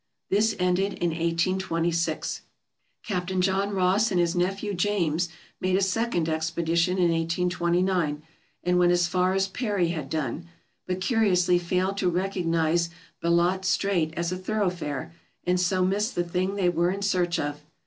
This ended in 1826. Captain John Ross and his nephew James made a second expedition in 1829, and went as far as Parry had done, but curiously failed to recognize Bellot Strait as a thoroughfare, and so missed the thing they were in search of.